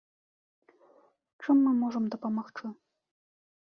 Чым мы можам дапамагчы?